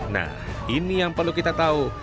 nah ini yang perlu kita tahu